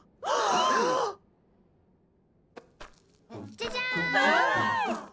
じゃじゃん。